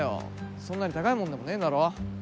そんなに高いもんでもねえだろ。